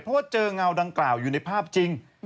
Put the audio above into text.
เพราะว่าเจอเงาดังกล่าวอยู่ในภาพจริง